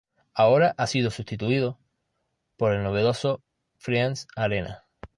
Ahora ha sido substituido por el novedoso Friends Arena.